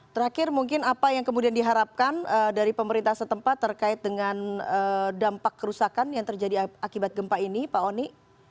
terakhir mungkin apa yang kemudian diharapkan dari pemerintah setempat terkait dengan dampak kerusakan yang terjadi akibat gempa ini pak oni